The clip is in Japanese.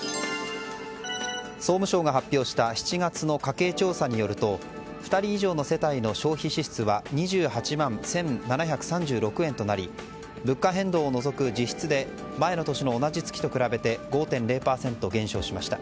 総務省が発表した７月の家計調査によると２人以上の世帯の消費支出は２８万１７３６円となり物価変動を除く実質で前の年の同じ月と比べて５．０％減少しました。